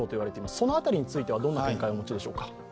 そのあたりについてはどんな見解をお持ちでしょうか。